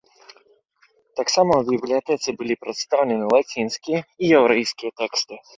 Таксама ў бібліятэцы былі прадстаўлены лацінскія і яўрэйскія тэксты.